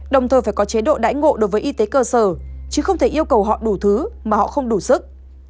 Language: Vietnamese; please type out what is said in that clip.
đồng thời phải có chế độ đãi ngộ đối với y tế cơ sở chứ không thể yêu cầu họ đủ thứ mà họ không đủ sức